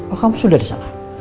oh kamu sudah di sana